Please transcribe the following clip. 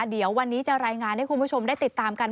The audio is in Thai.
เดี๋ยววันนี้จะรายงานให้คุณผู้ชมได้ติดตามกัน